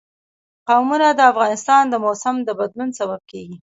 قومونه د افغانستان د موسم د بدلون سبب کېږي.